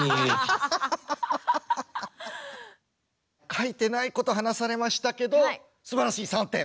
書いてないこと話されましたけどすばらしい３点！